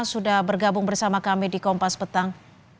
sudah bergabung bersama kami di kompas petang